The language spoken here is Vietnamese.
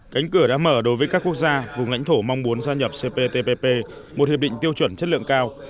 cánh cửa đã mở đối với các quốc gia vùng lãnh thổ mong muốn gia nhập cptpp một hiệp định tiêu chuẩn chất lượng cao